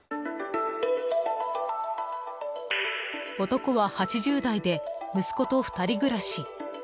男は８０代で息子と２人暮らし。